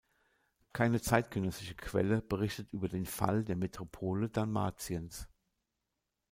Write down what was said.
Keine zeitgenössische Quelle berichtet über den Fall der Metropole Dalmatiens.